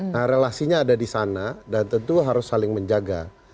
nah relasinya ada disana dan tentu harus saling menjaga